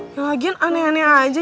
ya lagian aneh aneh aja